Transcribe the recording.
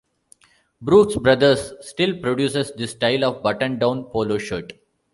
Brooks Brothers still produces this style of button-down "polo shirt".